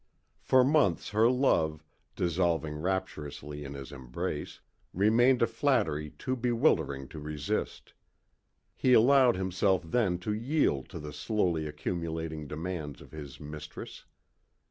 For months her love, dissolving rapturously in his embrace, remained a flattery too bewildering to resist. He allowed himself then to yield to the slowly accumulating demands of his mistress.